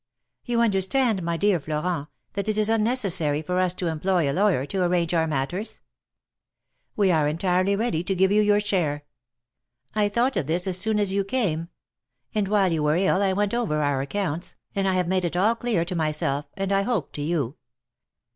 " You understand, my dear Florent, that it is unnecessary for us to employ a lawyer to arrange our matters. We THE MARKETS OP PARIS. 81 are entirely ready to give you your share. I thought of this as soon as you came ; and while you were ill I went over our accounts, and I have made it all clear to myself, and I hope to you.